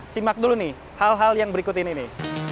simak dulu hal hal yang berikut ini